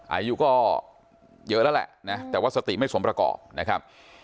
อายุก็เยอะแล้วแหละนะแต่ว่าสติไม่สมประกอบนะครับ